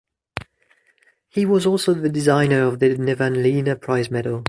He was also the designer of the Nevanlinna Prize medal.